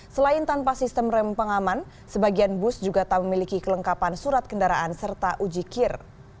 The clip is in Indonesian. selain tanpa sistem rem pengaman sebagian bus juga tak memiliki kelengkapan surat kendaraan serta uji kir